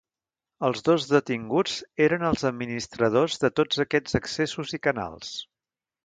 Els dos detinguts eren els administradors de tots aquests accessos i canals.